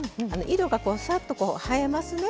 色がさっと映えますね。